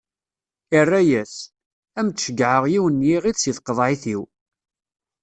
Irra-as: Ad m-d-ceggɛeɣ yiwen n yiɣid si tqeḍɛit-iw.